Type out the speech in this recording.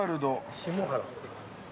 下原。